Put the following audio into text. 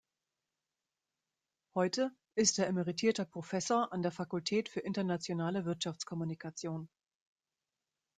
Heute ist er emeritierter Professor an der Fakultät für Internationale Wirtschaftskommunikation.